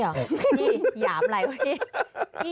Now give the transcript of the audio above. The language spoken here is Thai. พี่หยามอะไรพี่